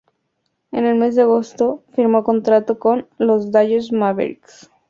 En el mes de agosto firmó contrato con los Dallas Mavericks.